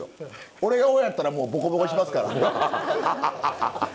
俺が親やったらもうボコボコにしますから。